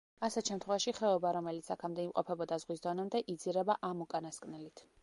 ასეთ შემთხვევაში, ხეობა, რომელიც აქამდე იმყოფებოდა ზღვის დონემდე, იძირება ამ უკანასკნელით.